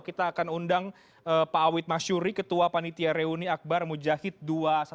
kita akan undang pak awid masyuri ketua panitia reuni akbar mujahid dua ratus dua belas